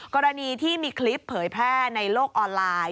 กรณีที่มีคลิปเผยแพร่ในโลกออนไลน์